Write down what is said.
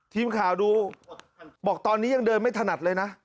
ทีมข่าวดูบอกตอนนี้ยังเดินไม่ถนัดเลยนะ